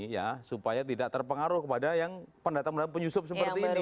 ya supaya tidak terpengaruh kepada yang pendatang pendatang penyusup seperti ini